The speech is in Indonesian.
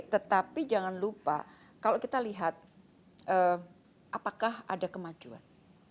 tetapi jangan lupa kalau kita lihat apakah ada kemajuan